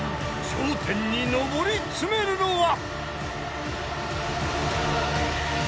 ［頂点に上り詰めるのは］